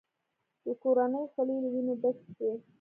د کورنۍ خولې له وینو ډکې شوې.